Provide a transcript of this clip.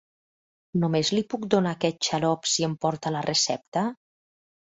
Només li puc donar aquest xarop si em porta la recepta?